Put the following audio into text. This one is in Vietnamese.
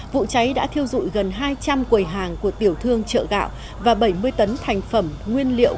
vụ cháy đã thiêu dụi gần hai trăm linh quầy hàng của tiểu thương chợ gạo và bảy mươi tấn thành phẩm nguyên liệu